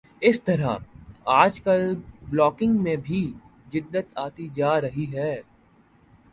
اسی طرح آج کل بلاگنگ میں بھی جدت آتی جا رہی ہے